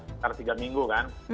sudah setelah tiga minggu kan